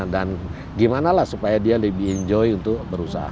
dan gimana lah supaya dia lebih enjoy untuk berusaha